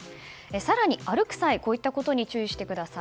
更に、歩く際こうしたことに注意してください。